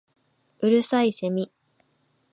五月蠅いセミ